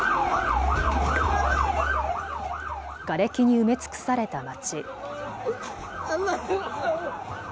がれきに埋め尽くされた街。